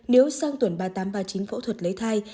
nếu sang tuần ba mươi tám ba mươi chín phẫu thuật lấy thai